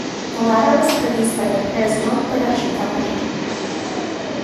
The latter was produced by the pair's own production company.